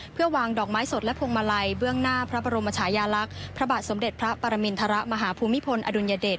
เพื่อวางดอกไม้สดและพวงมาลัยเบื้องหน้าพระบรมชายาลักษณ์พระบาทสมเด็จพระปรมินทรมาฮภูมิพลอดุลยเดช